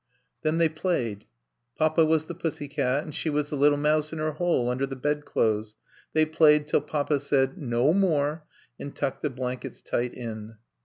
Then they played. Papa was the Pussycat and she was the little mouse in her hole under the bed clothes. They played till Papa said, "No more!" and tucked the blankets tight in.